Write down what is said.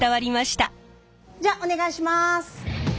じゃあお願いします！